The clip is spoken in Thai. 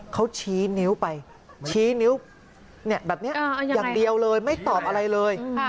เขาชี้นิ้วไปชี้นิ้วแบบนี้อย่างเดียวเลยไม่ตอบอะไรเลย